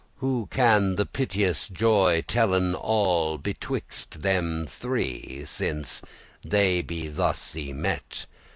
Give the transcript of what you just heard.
Who can the piteous joye tellen all, Betwixt them three, since they be thus y met?